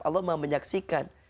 allah maha menyaksikan